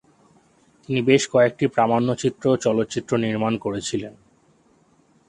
তিনি বেশ কয়েকটি প্রামাণ্যচিত্র ও চলচ্চিত্র নির্মাণ করেছিলেন।